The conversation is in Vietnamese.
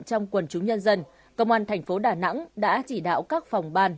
trong quần chúng nhân dân công an thành phố đà nẵng đã chỉ đạo các phòng ban